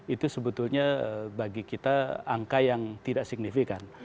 itu sebetulnya bagi kita angka yang tidak signifikan